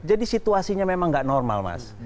jadi situasinya memang nggak normal mas